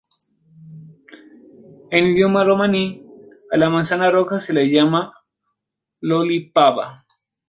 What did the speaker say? En idioma romaní, a la manzana roja se la llama "loli-phaba".